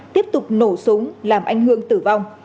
tiếp tục nổ súng làm anh hương tử vong